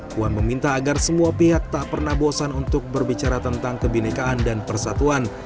puan meminta agar semua pihak tak pernah bosan untuk berbicara tentang kebinekaan dan persatuan